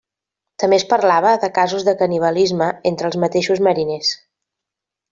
També es parlava de casos de canibalisme entre els mateixos mariners.